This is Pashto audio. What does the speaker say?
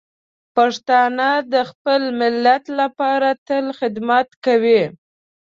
پښتانه د خپل ملت لپاره تل خدمت کوي.